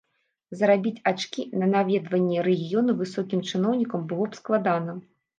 Зарабіць ачкі на наведванні рэгіёну высокім чыноўнікам было б складана.